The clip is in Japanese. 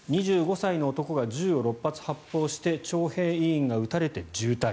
２５歳の男が銃を６発発砲して徴兵委員が撃たれて重体。